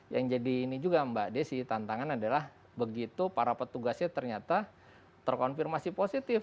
yang jadi ini juga mbak desi tantangan adalah begitu para petugasnya ternyata terkonfirmasi positif